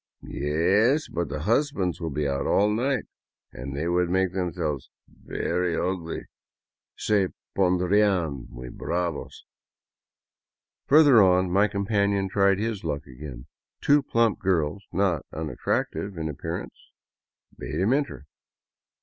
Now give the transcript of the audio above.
" Yes, but the husbands will be out all night and they would make themselves very ugly" (se pondrian muy bravos). Further on my companion tried his luck again. Two plump girls, not unattractive in appearance, bade him enter.